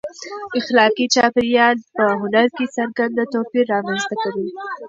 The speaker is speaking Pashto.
اخلاقي چاپېریال په هنر کې څرګند توپیر رامنځته کوي.